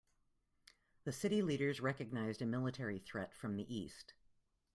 The city leaders recognized a military threat from the east.